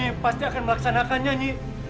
kami pasti akan melaksanakannya nyi